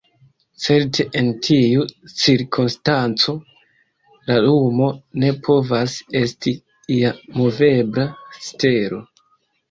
Certe en tiu cirkonstanco la lumo ne povas esti ia movebla stelo.